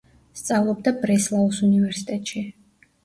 სწავლობდა ბრესლაუს უნივერსიტეტში.